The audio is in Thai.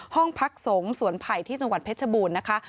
ห้องพักสงฆ์สวนไผ่ที่จังหวัดเพชรบูรณ์นะคะ